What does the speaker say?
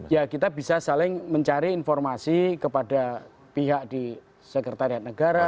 ya kita bisa saling mencari informasi kepada pihak di sekretariat negara